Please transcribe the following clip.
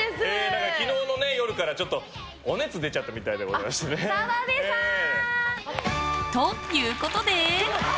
昨日の夜からちょっとお熱出ちゃったみたいで澤部さーん！ということで。